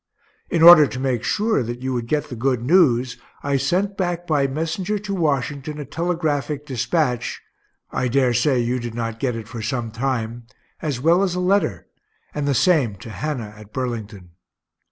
In order to make sure that you would get the good news, I sent back by messenger to Washington a telegraphic dispatch (I dare say you did not get it for some time) as well as a letter and the same to Hannah at Burlington.